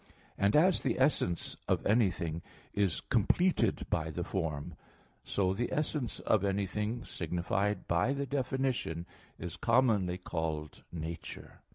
And as the essence of anything is completed by the form; so the essence of anything, signified by the definition, is commonly called nature.